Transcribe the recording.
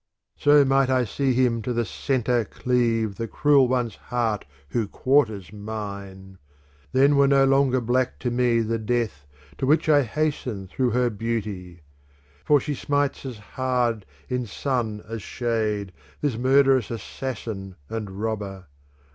So might I see him to the centre cleave the cruel one's heart who quarters mine ! Then were no longer black to me the death to which I hasten through her beauty. For she smites as hard in sun as shade this mur derous assassin and robber.